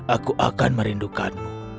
aku akan merindukanmu